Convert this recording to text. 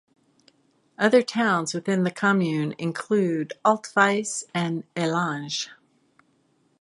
Other towns within the commune include Altwies and Ellange.